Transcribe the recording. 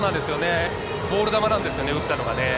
ボール球なんですよね、打ったのが。